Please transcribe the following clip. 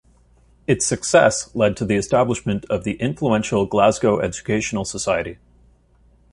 Its success led to the establishment of the influential Glasgow Educational Society.